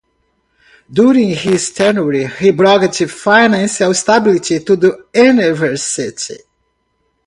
During his tenure he brought financial stability to the university.